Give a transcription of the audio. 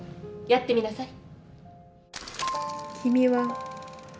やってみなさい。